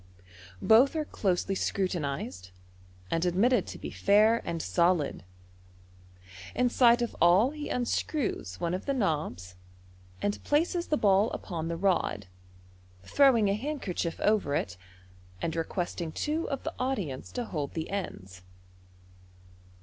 Both ar« closely scrutinized, and admitted to be fair and solid. In sight of all he unscrews one of the knobs, and places the ball upon the red, throwing a handkerchief over it, and requesting two of the audience to hold the ends.